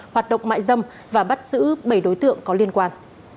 hoạt động mại dâm và bắt giữ bảy đối tượng có liên quan